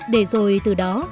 để rồi từ đó